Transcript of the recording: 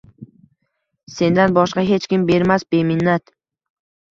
Sendan boshqa hech kim bermas beminnat